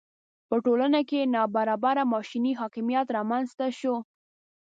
په ټولنه کې ناببره ماشیني حاکمیت رامېنځته شو.